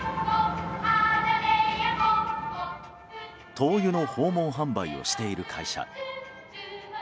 灯油の訪問販売をしている会社。